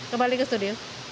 kembali ke studio